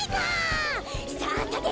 さあたて！